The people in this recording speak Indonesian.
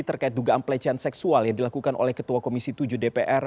terkait dugaan pelecehan seksual yang dilakukan oleh ketua komisi tujuh dpr